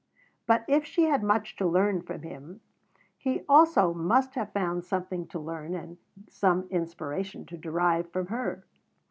But if she had much to learn from him, he also must have found something to learn, and some inspiration to derive, from her.